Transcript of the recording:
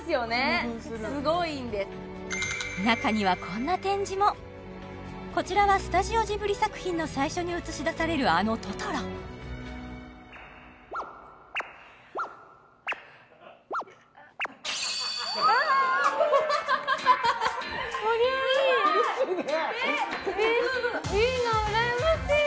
興奮するすごいんです中にはこんな展示もこちらはスタジオジブリ作品の最初に映し出されるあのトトロこりゃいいすごい！